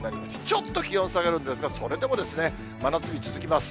ちょっと気温下がるんですが、それでも真夏日続きます。